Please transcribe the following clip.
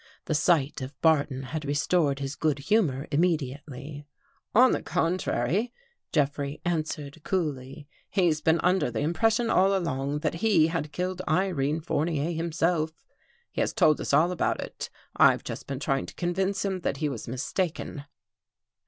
The sight of Barton had restored his good humor immediately. " On the contrary," Jeffrey answered coolly, " he's •been under the impression all along, that he had killed Irene Fournier himself. He has told us all about it. I've just been trying to convince him that he was mistaken."